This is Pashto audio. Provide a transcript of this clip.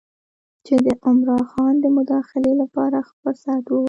چې د عمرا خان د مداخلې لپاره ښه فرصت و.